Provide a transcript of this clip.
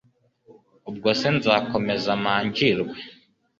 ubwo se nzakomeza manjirwe